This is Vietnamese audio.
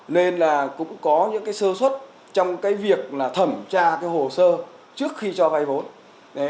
nên là cũng có những cái sơ xuất trong cái việc là thẩm tra cái hồ sơ trước khi cho vay vốn